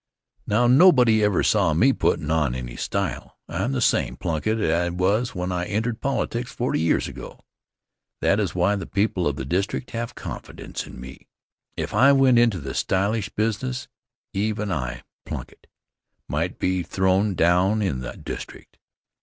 Now, nobody ever saw me puttin' on any style. I'm the same Plunkitt I was when I entered politics forty years ago. That is why the people of the district have confidence in me. If I went into the stylish business, even I, Plunkitt, might be thrown down in the district.